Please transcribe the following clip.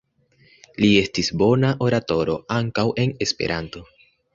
Li estis bona oratoro ankaŭ en Esperanto.